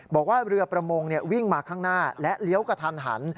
บอกว่าเรือประมงวิ่งมาข้างหน้าและเลี้ยวกระทันหัน